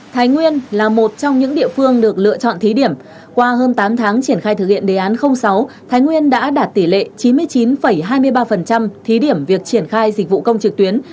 thái nguyên là một trong những địa phương được lựa chọn thí điểm qua hơn tám tháng triển khai thực hiện đề án sáu thái nguyên đã đạt tỷ lệ chín mươi chín hai mươi ba thí điểm việc triển khai dịch vụ công trực tuyến